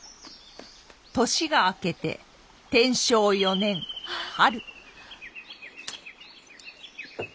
年が明けて天正四年春。